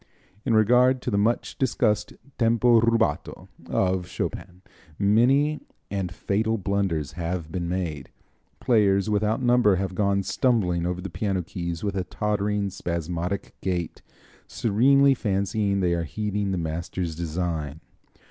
In regard to the much discussed tempo rubato of Chopin many and fatal blunders have been made. Players without number have gone stumbling over the piano keys with a tottering, spasmodic gait, serenely fancying they are heeding the master's design.